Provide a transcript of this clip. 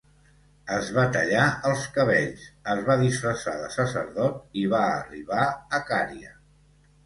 Es va tallar els cabells, es va disfressar de sacerdot i va arribar a Cària.